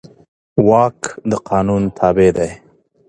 واک د قانون تابع دی.